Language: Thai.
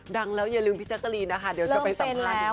ดังแล้วอย่าลืมพี่แจ๊กกะรีนนะคะเดี๋ยวจะไปสัมภาษณ์ดีกว่า